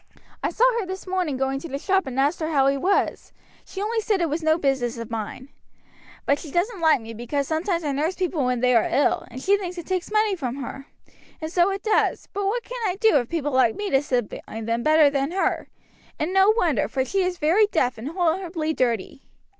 I saw her this morning going to the shop and asked her how he was; she only said it was no business of mine. But she doesn't like me because sometimes I nurse people when they are ill, and she thinks it takes money from her; and so it does, but what can I do if people like me to sit by them better than her? and no wonder, for she is very deaf and horribly dirty."